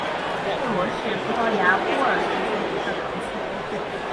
穆罗是葡萄牙波尔图区的一个堂区。